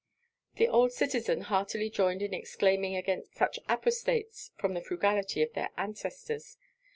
The old citizen heartily joined in exclaiming against such apostates from the frugality of their ancestors.